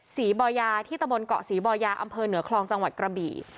บ่อยาที่ตะบนเกาะศรีบ่อยาอำเภอเหนือคลองจังหวัดกระบี่